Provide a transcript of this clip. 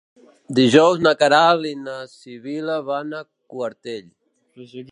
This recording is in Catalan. Dijous na Queralt i na Sibil·la van a Quartell.